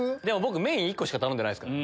メイン１個しか頼んでないです。